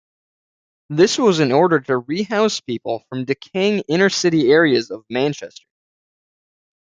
This was in order to rehouse people from decaying inner city areas of Manchester.